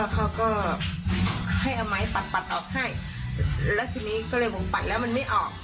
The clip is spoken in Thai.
ก็ให้อ่าไม้ปัดออกให้ละทีนี้ก็เลยบอกนี่ปัดแล้วมันไม่ออก